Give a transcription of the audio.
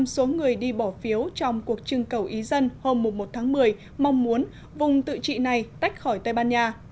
chín mươi số người đi bỏ phiếu trong cuộc trưng cầu ý dân hôm một tháng một mươi mong muốn vùng tự trị này tách khỏi tây ban nha